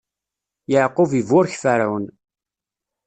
Yeɛqub iburek Ferɛun.